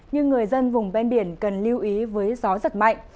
nhưng người dân vùng ven biển cần lưu ý với gió giật mạnh